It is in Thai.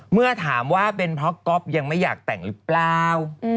เมื่อถามว่าเป็นเพราะก๊อฟยังไม่อยากแต่งหรือเปล่า